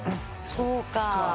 そうか。